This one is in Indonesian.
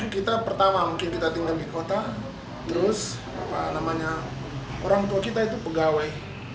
kita pertama mungkin kita tinggal di kota terus orang tua kita itu pegawai